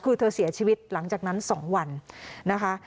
คือเธอเสียชีวิตหลังจากนั้น๒วันนะคะ